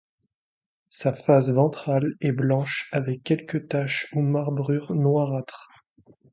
Sa face ventrale est blanches avec quelques taches ou marbrures noirâtres.